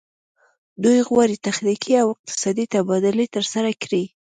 دوی غواړي تخنیکي او اقتصادي تبادلې ترسره کړي